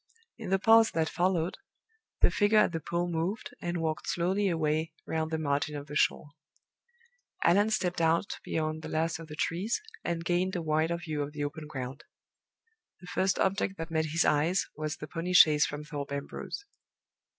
In the pause that followed, the figure at the pool moved, and walked slowly away round the margin of the shore. Allan stepped out beyond the last of the trees, and gained a wider view of the open ground. The first object that met his eyes was the pony chaise from Thorpe Ambrose.